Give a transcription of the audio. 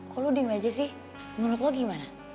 kok lo dingin aja sih menurut lo gimana